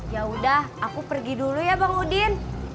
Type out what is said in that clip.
yaudah aku pergi dulu ya bang udin